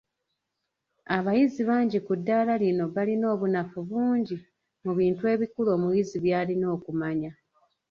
Abayizi bangi ku ddaala lino balina obunafu bungi mu bintu ebikulu omuyizi by’alina okumanya.